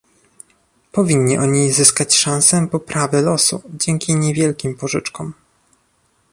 Powinni oni zyskać szansę poprawy losu dzięki niewielkim pożyczkom